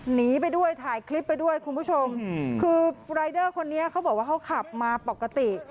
หนีไปด้วยถ่ายคลิปไปด้วยคุณผู้ชมคือรายเดอร์คนนี้เขาบอกว่าเขาขับมาปกติ